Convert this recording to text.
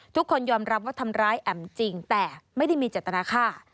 ทุกคนยอมรับว่าทำร้ายแอ๋มจริงแต่ไม่ได้มีเจตนาฆ่า